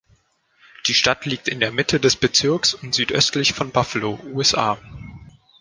Die Stadt liegt in der Mitte des Bezirks und südöstlich von Buffalo, USA.